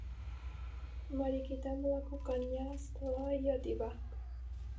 Mari kita melakukannya setelah ia tiba.